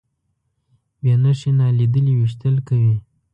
بې نښې نالیدلي ویشتل کوي.